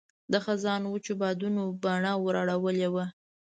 د خزان وچو بادونو بڼه ور اړولې وه.